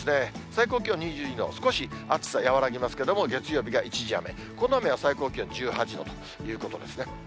最高気温２２度、少し暑さ和らぎますけれども、月曜日が一時雨、この雨は最高気温１８度ということですね。